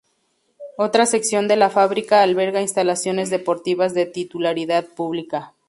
Otra sección de la fábrica alberga instalaciones deportivas de titularidad pública.